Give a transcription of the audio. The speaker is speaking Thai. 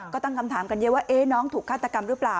ก็ตั้งคำถามกันเยอะว่าน้องถูกฆาตกรรมหรือเปล่า